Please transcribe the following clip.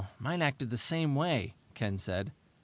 "Mine acted the same way," Ken said.